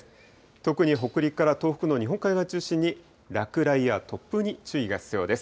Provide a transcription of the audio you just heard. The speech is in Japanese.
特に北陸から東北の日本海側を中心に、落雷や突風に注意が必要です。